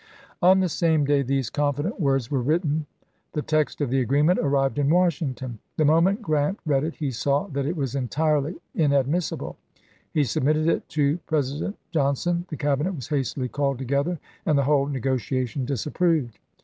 On the same day these confident words were written the text of the agreement arrived in Wash ington. The moment Grant read it he saw that it was entirely inadmissible; he submitted it to President Johnson, the Cabinet was hastily called together and the whole negotiation disapproved.